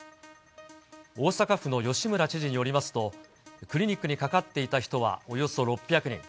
大阪府の吉村知事によりますと、クリニックにかかっていた人はおよそ６００人。